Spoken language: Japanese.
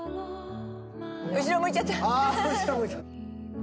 後ろ向いちゃった。